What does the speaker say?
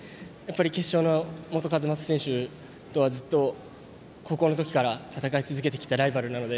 決勝の本一将選手とはずっと高校の時から戦い続けてきたライバルなので。